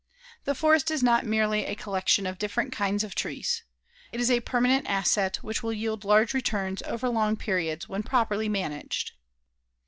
The forest is not merely a collection of different kinds of trees. It is a permanent asset which will yield large returns over long periods when properly managed.